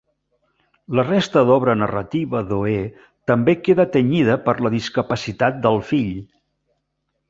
La resta d'obra narrativa d'Oé també queda tenyida per la discapacitat del fill.